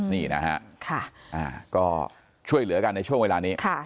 นี่นะฮะก็ช่วยเหลือกันในช่วงเวลานี้